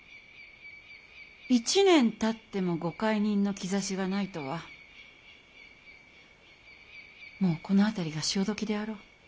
１年たってもご懐妊の兆しがないとはもうこの辺りが潮時であろう。